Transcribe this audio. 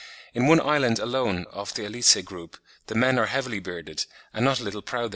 In one island alone of the Ellice group "the men are heavily bearded, and not a little proud thereof."